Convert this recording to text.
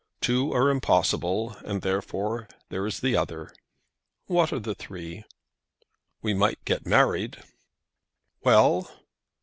Two are impossible, and therefore there is the other." "What are the three?" "We might get married." "Well?"